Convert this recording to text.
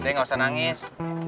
udah ga usah nangis